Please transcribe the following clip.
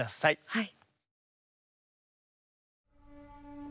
はい。